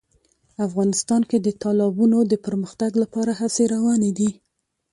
افغانستان کې د تالابونو د پرمختګ لپاره هڅې روانې دي.